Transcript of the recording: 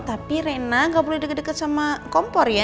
tapi rena gak boleh deket deket sama kompor ya